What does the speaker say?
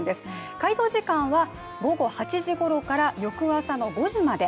回答時間は午後８時ごろから翌朝の５時まで。